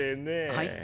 はい？